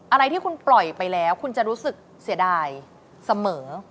อะไรที่คุณปล่อยไปแล้วคุณจะรู้สึกเสียดายเสมอ